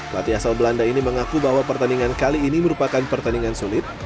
pelatih asal belanda ini mengaku bahwa pertandingan kali ini merupakan pertandingan sulit